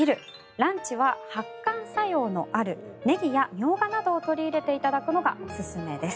ランチは発汗作用のあるネギやミョウガなどを取り入れていただくのがおすすめです。